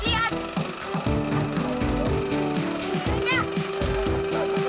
itu almahewu agak kuat ya